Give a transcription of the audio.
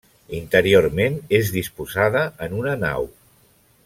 Interiorment és disposada en una nau.